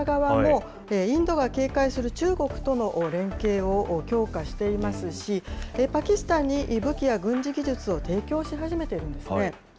ただ、ロシア側もインドが警戒する中国との連携を強化していますし、パキスタンに武器や軍事技術を提供し始めているんですね。